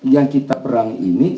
yang kita perang ini